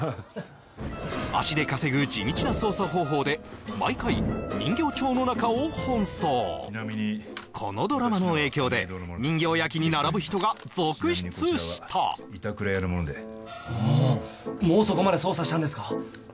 足で稼ぐ地道な捜査方法で毎回人形町のなかを奔走このドラマの影響で人形焼きに並ぶ人が続出した板倉屋のものでもうそこまで捜査したんですか